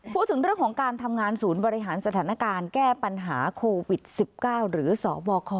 พูดถึงเรื่องของการทำงานศูนย์บริหารสถานการณ์แก้ปัญหาโควิด๑๙หรือสบค